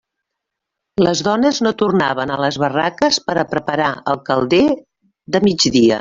Les dones no tornaven a les barraques per a preparar el calder de migdia.